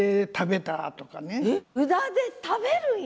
えっうだで食べるんや？